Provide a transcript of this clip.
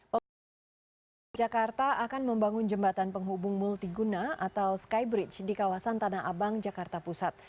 pemerintah provinsi dki jakarta akan membangun jembatan penghubung multiguna atau skybridge di kawasan tanah abang jakarta pusat